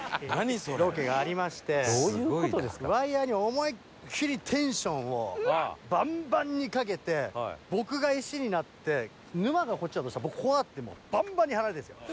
ワイヤに思いっきりテンションをバンバンにかけて僕が石になって沼がこっちだとしたら僕こうなってもうバンバンに張られてるんですよ。